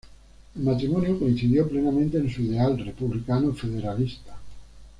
El matrimonio coincidió plenamente en su ideal republicano federalista.